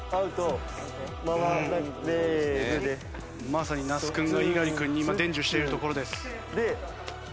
まさに那須君が猪狩君に今伝授しているところです。